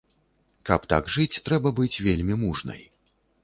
Каб так жыць, трэба быць вельмі мужнай.